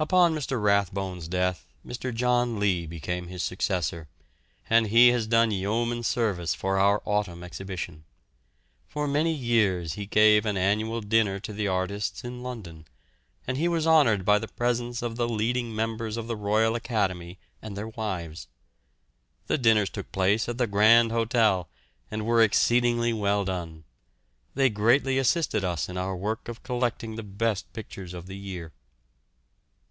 Upon Mr. Rathbone's death Mr. John Lea became his successor, and he has done yeoman service for our Autumn Exhibition. For many years he gave an annual dinner to the artists in London, and he was honoured by the presence of the leading members of the Royal Academy and their wives. The dinners took place at the Grand Hotel, and were exceedingly well done. They greatly assisted us in our work of collecting the best pictures of the year.